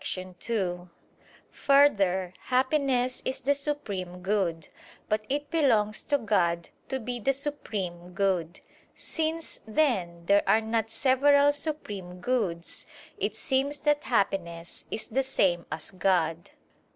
2: Further, happiness is the supreme good. But it belongs to God to be the supreme good. Since, then, there are not several supreme goods, it seems that happiness is the same as God.